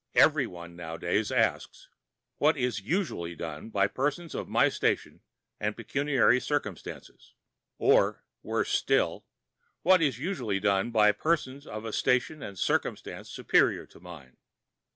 Everyone nowadays asks: what is usually done by persons of my station and pecuniary circumstances, or (worse still) what is usually done by persons of a station and circumstances superior to mine?